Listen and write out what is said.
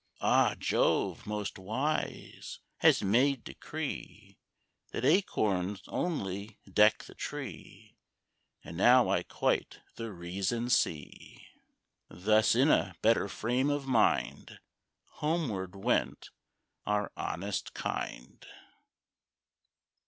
Ah! Jove, most wise, has made decree That Acorns only deck the tree, And now I quite the reason see." Thus in a better frame of mind Homeward went our honest hind.